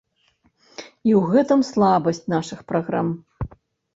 І ў гэтым слабасць нашых праграм.